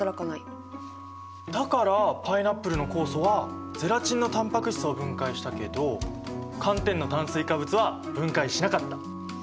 だからパイナップルの酵素はゼラチンのタンパク質を分解したけど寒天の炭水化物は分解しなかった！